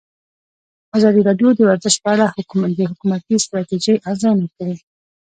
ازادي راډیو د ورزش په اړه د حکومتي ستراتیژۍ ارزونه کړې.